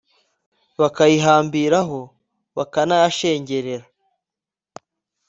bakayihambiraho, bakanayashengerera.